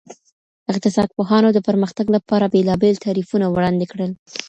اقتصاد پوهانو د پرمختګ لپاره بېلابېل تعریفونه وړاندې کړل.